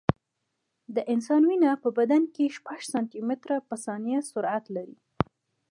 د انسان وینه په بدن کې شپږ سانتي متره په ثانیه سرعت لري.